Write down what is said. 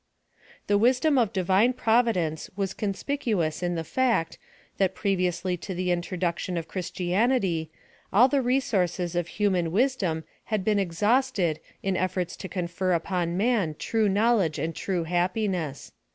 The wisdom of Divine Providence was conspic uous in the fact, that previously to the introduction of Christianity, all the resources of human wisdom had been exhausted in efforts to confer upon man true knowledge and true happiness.